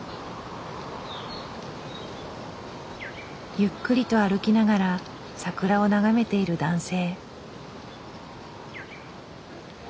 ゆっくりと歩きながら桜を眺めている男性。